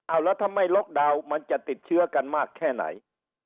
เอาแล้วถ้าไม่ล็อกดาวน์มันจะติดเชื้อกันมากแค่ไหน